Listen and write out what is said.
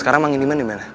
sekarang mang diman dimana